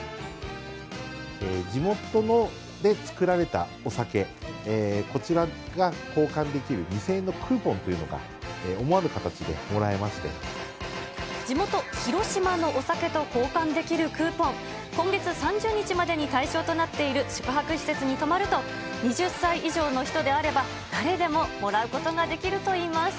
地元で造られたお酒、こちらが交換できる２０００円のクーポンというのが思わぬ形でも地元、広島のお酒と交換できるクーポン、今月３０日までに対象となっている宿泊施設に泊まると、２０歳以上の人であれば、誰でももらうことができるといいます。